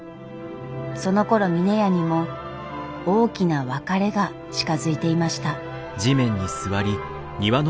そのころ峰屋にも大きな別れが近づいていました。